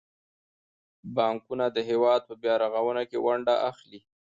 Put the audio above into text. بانکونه د هیواد په بیارغونه کې ونډه اخلي.